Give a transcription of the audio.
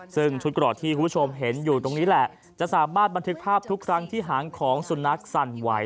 ซึ่งชุดกรอดที่คุณผู้ชมเห็นอยู่ตรงนี้แหละจะสามารถบันทึกภาพทุกครั้งที่หางของสุนัขสั่นไหว